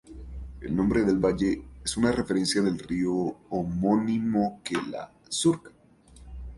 El nombre del valle, es una referencia del río homónimo que la surca.